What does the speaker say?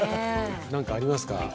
何かありますか？